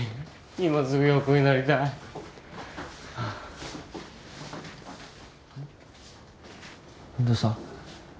今すぐ横になりたいどうした？